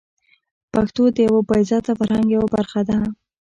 پښتو د یوه با عزته فرهنګ یوه برخه ده.